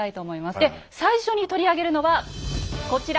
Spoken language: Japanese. で最初に取り上げるのはこちら。